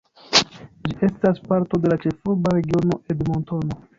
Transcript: Ĝi estas parto de la Ĉefurba Regiono Edmontono.